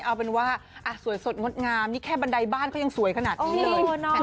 เอาเป็นว่าสวยสดงดงามนี่แค่บันไดบ้านเขายังสวยขนาดนี้เลย